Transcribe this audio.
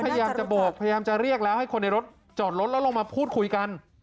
แล้วพยายามจะเรียกแล้วให้คนในรถจอดรถแล้วลงมาพูดคุยกัน